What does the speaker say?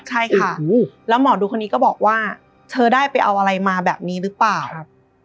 ใช่ค่ะแล้วหมอดูคนนี้ก็บอกว่าเธอได้ไปเอาอะไรมาแบบนี้หรือเปล่าครับ